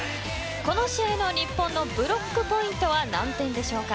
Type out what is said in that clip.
この試合の日本のブロックポイントは何点でしょうか。